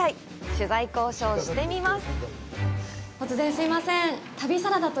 取材交渉してみます！